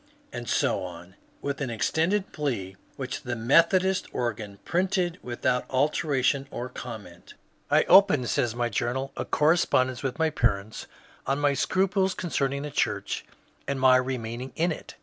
And so on, with an extended plea which the Methodist organ printed without alteration or comment. " I opened," says my journal, " a correspondence with my parents on my scruples concerning the church and my remain ing in it.